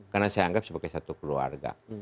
karena saya anggap sebagai satu keluarga